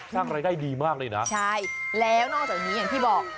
สร้างรายได้ดีมากเลยนะใช่แล้วนอกจากนี้อย่างที่บอก